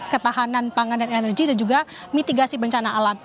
ketahanan pangan dan energi dan juga mitigasi bencana alam